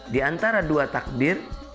di antara dua takbir